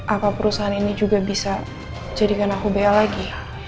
apa perusahaan ini juga bisa jadikan aku ba lagi